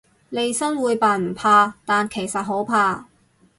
利申會扮唔怕，但其實好怕